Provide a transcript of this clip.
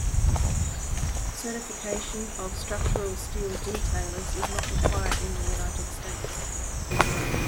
Certification of structural steel detailers is not required in the United States.